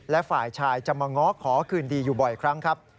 และฝ่ายชายจะมาง้อขอคืนดีอยู่บ่อยครั้งครับ